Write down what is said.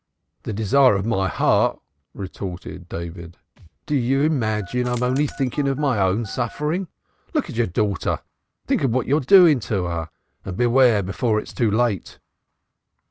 "The desire of my heart," retorted David. "Do you imagine I am only thinking of my own suffering? Look at your daughter think of what you are doing to her and beware before it is too late."